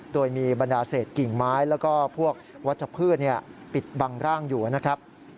โดยมีบรรดาเศษกิ่งไม้แล้วก็พวกวัชพืชปิดบังร่างอยู่นะครับ